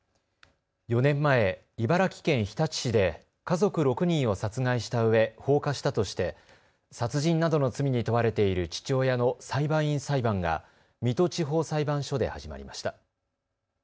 ４年前、茨城県日立市で家族６人を殺害したうえ放火したとして殺人などの罪に問われている父親の裁判員裁判が水戸地方裁判所で始まりました。